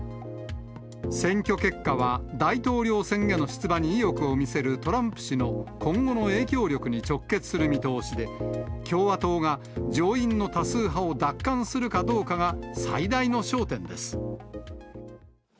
選挙結果は大統領選への出馬に意欲を見せるトランプ氏の今後の影響力に直結する見通しで、共和党が上院の多数派を奪還するかどうかが最大の焦点です。